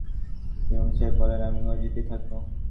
ইমাম সাহেব বললেন, আমি মসজিদেই থাকব।